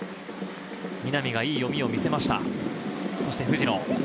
南がいい読みを見せました。